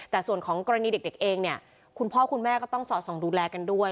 แต่ส่วนของกรณีเด็กเองเนี่ยคุณพ่อคุณแม่ก็ต้องสอดส่องดูแลกันด้วย